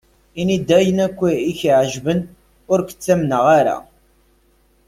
Ini-d ayen i ak-iɛeǧben, ur k-ttamneɣ ara.